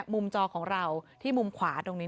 จอของเราที่มุมขวาตรงนี้